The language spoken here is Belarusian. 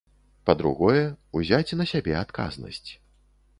Па-другое, узяць на сябе адказнасць.